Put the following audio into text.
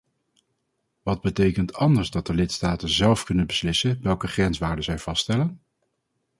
Wat betekent anders dat de lidstaten zelf kunnen beslissen welke grenswaarden zij vaststellen?